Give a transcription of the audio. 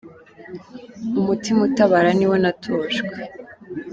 Umutima utabara niwe natojwe.